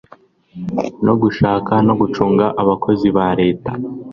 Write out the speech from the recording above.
no gushaka no gucunga Abakozi ba Leta